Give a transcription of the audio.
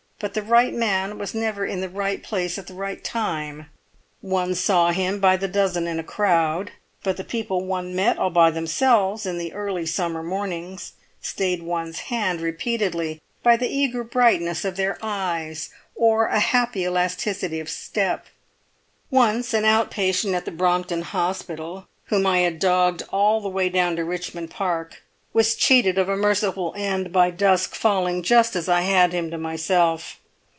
But the right man was never in the right place at the right time; one saw him by the dozen in a crowd, but the people one met all by themselves, in the early summer mornings, stayed one's hand repeatedly by the eager brightness of their eyes or a happy elasticity of step. Once an out patient at the Brompton Hospital, whom I had dogged all the way down to Richmond Park, was cheated of a merciful end by dusk falling just as I had him to myself.